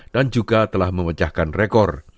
dan juga telah memecahkan rekor